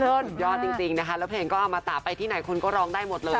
สุดยอดจริงนะคะแล้วเพลงก็อมตะไปที่ไหนคนก็ร้องได้หมดเลย